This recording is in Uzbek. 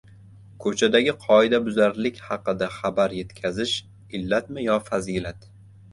Ko‘chadagi qoidabuzarlik haqida xabar yetkazish – illatmi yo fazilat?